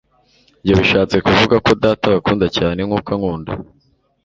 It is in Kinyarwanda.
lbyo bishatse kuvuga ko: Data abakunda cyane nk'uko ankunda,